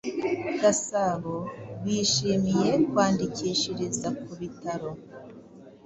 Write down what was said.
Gasabo Bishimiye kwandikishiriza ku bitaro